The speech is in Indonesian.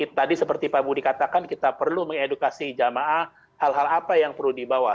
tadi seperti pak budi katakan kita perlu mengedukasi jamaah hal hal apa yang perlu dibawa